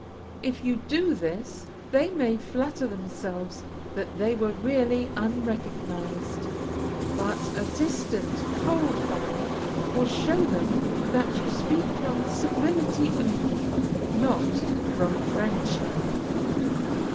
If you do this, they may flatter themselves that they were really unrecognized, but a distant, cold bow will show them that you speak from civility only, not from friendship.